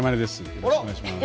よろしくお願いします。